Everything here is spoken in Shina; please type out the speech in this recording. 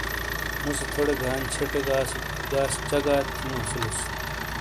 موسے تھوڑے گانچھے ٹے گاس چگا تھیو اسولوس۔